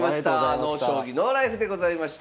「ＮＯ将棋ＮＯＬＩＦＥ」でございました。